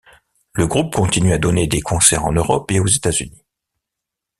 Le groupe continue à donner des concerts en Europe et aux États-Unis.